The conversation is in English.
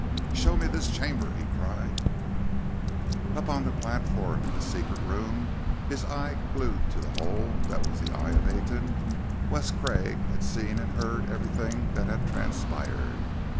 "Show me this chamber!" he cried. Up on the platform in the secret room, his eye glued to the hole that was the eye of Aten, Wes Craig had seen and heard everything that had transpired.